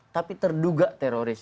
tapi terduga teroris